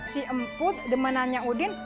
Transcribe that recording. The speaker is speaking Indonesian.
si emput udah menanya udin